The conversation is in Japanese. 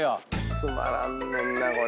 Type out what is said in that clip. つまらんねんなこれ。